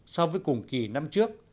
so với cùng kỳ năm trước